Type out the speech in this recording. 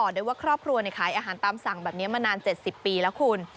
โดยว่าครอบครัวขายอาหารตามสั่งแบบนี้มานาน๗๐ปีแล้วคุณ